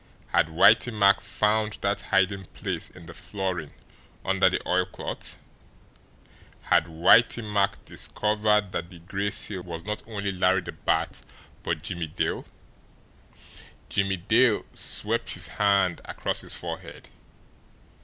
Had Whitey Mack found that hiding place in the flooring under the oilcloth? Had Whitey Mack discovered that the Gray Seal was not only Larry the Bat but Jimmie Dale? Jimmie Dale swept his hand across his forehead.